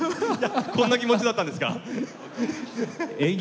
こんな気持ちだったんですか？